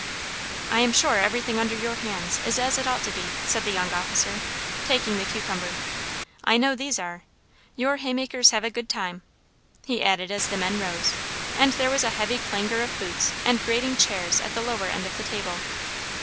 "I am sure everything under your hands is as it ought to be," said the young officer, taking the cucumber. "I know these are. Your haymakers have a good time," he added as the men rose, and there was a heavy clangour of boots and grating chairs at the lower end of the table.